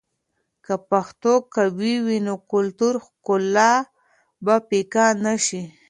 که پښتو قوي وي، نو کلتوري ښکلا به پیکه نه شي.